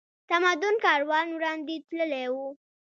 تمدن کاروان وړاندې تللی و